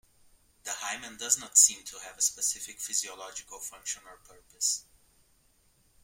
The hymen does not seem to have a specific physiological function or purpose.